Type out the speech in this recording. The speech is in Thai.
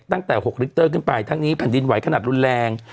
ตั้งแต่๖ลิกเตอร์ขึ้นไปทั้งนี้แผ่นดินไหวขนาดรุนแรง